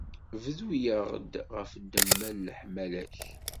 Fdu-aɣ-d ɣef ddemma n leḥmala-k!